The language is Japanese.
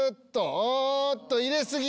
おっと入れ過ぎ！